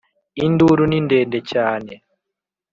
Induru ni ndende cyane